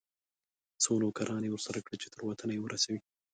څو نوکران یې ورسره کړه چې تر وطنه یې ورسوي.